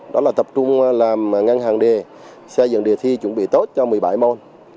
đó là tập trung làm ngăn hàng đề xây dựng đề thi chuẩn bị tốt cho một mươi bảy môn